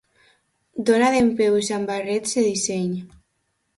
Dona dempeus amb barrets de disseny.